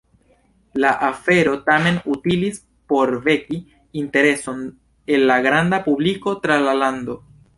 La afero tamen utilis por veki intereson en la granda publiko tra la lando.